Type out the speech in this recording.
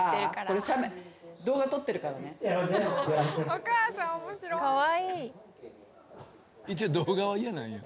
・お母さん面白い・・カワイイ・一応動画は嫌なんや。